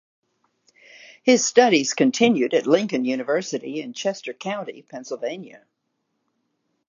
His studies continued at Lincoln University in Chester County, Pennsylvania.